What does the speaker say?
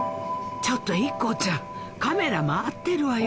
ちょっとＩＫＫＯちゃんカメラ回ってるわよ！